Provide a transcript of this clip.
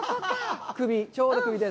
首。